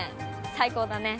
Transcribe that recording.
最高だね。